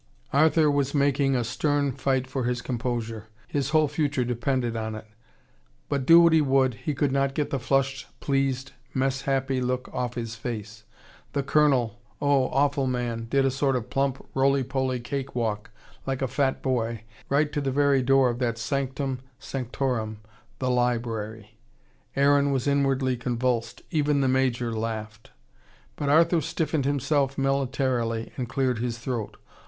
Arthur was making a stern fight for his composure. His whole future depended on it. But do what he would, he could not get the flushed, pleased, mess happy look off his face. The Colonel, oh, awful man, did a sort of plump roly poly cake walk, like a fat boy, right to the very door of that santum sanctorum, the library. Aaron was inwardly convulsed. Even the Major laughed. But Arthur stiffened himself militarily and cleared his throat.